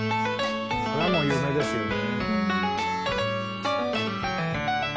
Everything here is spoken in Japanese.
これはもう有名ですよね。